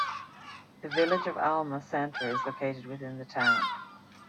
The Village of Alma Center is located within the town.